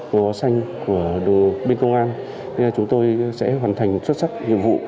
màu áo xanh của bên công an chúng tôi sẽ hoàn thành xuất sắc nhiệm vụ